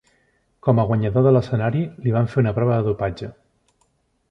Com a guanyador de l'escenari, li van fer una prova de dopatge.